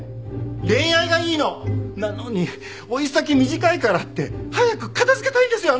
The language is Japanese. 恋愛がいいの！なのに老い先短いからって早く片付けたいんですよ